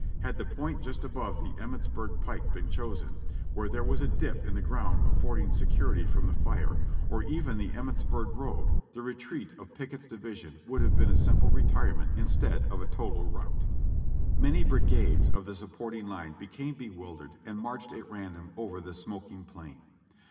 Had the point just above the Emmitsburg pike been chosen, where there was a dip in the ground affording se curity from the fire — or even the Emmitsburg road, the retreat of Pickett's division would have been a simple retirement instead of a total rout. Many brigades of the supporting line became bewildered and marched at random over the smoking plain.